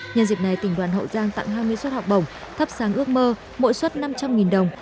nhân dịp này tỉnh đoàn hậu giang tặng hai mươi suất học bổng thắp sáng ước mơ mỗi suất năm trăm linh đồng